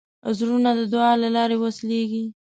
زړونه د دعا له لارې وصلېږي.